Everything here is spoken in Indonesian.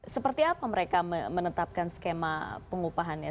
seperti apa mereka menetapkan skema pengupahannya